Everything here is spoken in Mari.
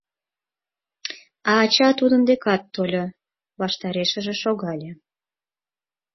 А ача тудын декак тольо, ваштарешыже шогале.